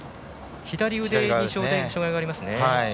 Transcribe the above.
左腕に障がいがありますね。